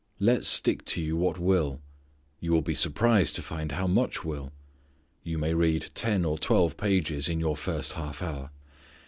Let stick to you what will. You will be surprised to find how much will. You may read ten or twelve pages in your first half hour.